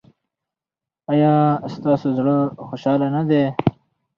ایا ستاسو زړه خوشحاله نه دی؟